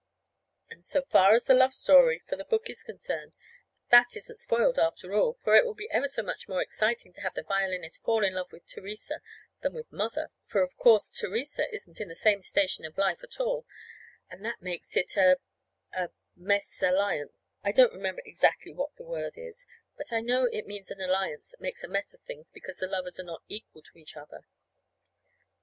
And so far as the love story for the book is concerned, that isn't spoiled, after all, for it will be ever so much more exciting to have the violinist fall in love with Theresa than with Mother, for, of course, Theresa isn't in the same station of life at all, and that makes it a a mess alliance. (I don't remember exactly what that word is; but I know it means an alliance that makes a mess of things because the lovers are not equal to each other.)